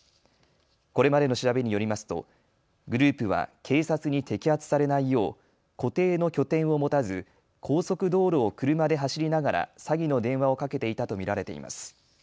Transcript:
これまでの調べによりますとグループは警察に摘発されないよう固定の拠点を持たず高速道路を車で走りながら詐欺の電話をかけていたと見られています。